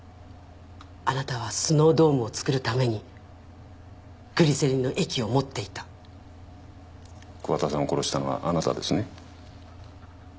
あなたはスノードームを作るためにグリセリンの液を持っていた桑田さんを殺したのはあなたですね？